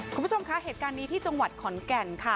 คุณผู้ชมคะเหตุการณ์นี้ที่จังหวัดขอนแก่นค่ะ